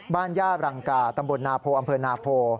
ย่ารังกาตำบลนาโพอำเภอนาโพ